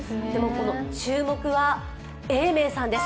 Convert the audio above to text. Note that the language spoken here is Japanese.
注目は、永明さんです。